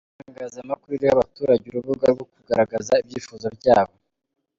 Itangazamakuru riha abaturage urubuga rwo kugaragaza ibyifuzo byabo